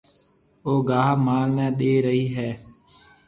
او گاها مال نَي ڏيَ رئي هيَ۔